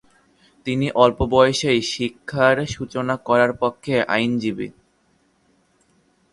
তিনি অল্প বয়সেই শিক্ষার সূচনা করার পক্ষে আইনজীবী।